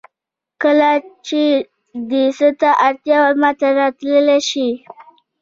کله چې دې څه ته اړتیا وه ماته راتللی شې